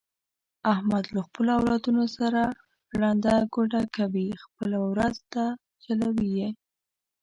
احمد له خپلو اولادونو سره ړنده ګوډه کوي، خپله ورځ ده چلوي یې.